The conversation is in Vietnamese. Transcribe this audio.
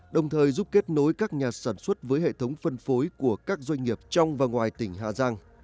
đồng thời giúp kết nối các nhà sản xuất với hệ thống phân phối của các doanh nghiệp trong và ngoài tỉnh hà giang